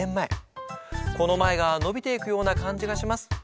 『この前』が延びていくような感じがします。